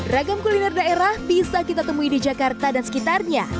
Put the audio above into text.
ragam kuliner daerah bisa kita temui di jakarta dan sekitarnya